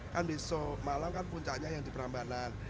kan besok malam kan puncaknya yang di perambanan